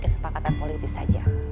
kesepakatan politis saja